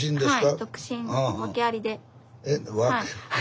はい。